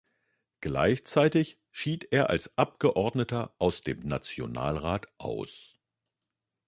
Gleichzeitig schied er als Abgeordneter aus dem Nationalrat aus.